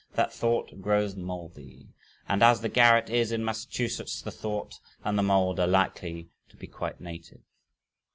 "that thought grows moldy," and as the garret is in Massachusetts, the "thought" and the "mold" are likely to be quite native.